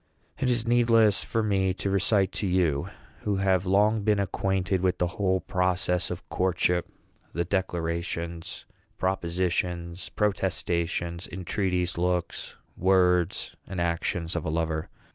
It is needless for me to recite to you, who have long been acquainted with the whole process of courtship, the declarations, propositions, protestations, entreaties, looks, words, and actions of a lover.